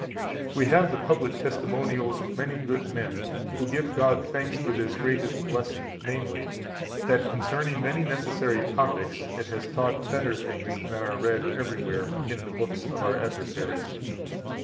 ] 18 We have the public testimonials of many good men, who give God thanks for this greatest blessing, namely, that concerning many necessary topics it has taught better things than are read everywhere in the books of our adversaries.